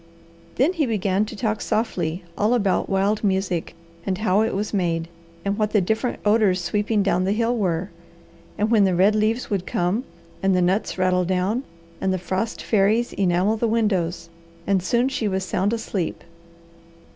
Then he began to talk softly all about wild music, and how it was made, and what the different odours sweeping down the hill were, and when the red leaves would come, and the nuts rattle down, and the frost fairies enamel the windows, and soon she was sound asleep.